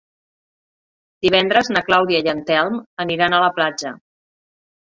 Divendres na Clàudia i en Telm aniran a la platja.